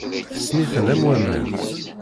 Tessen-iten am waman.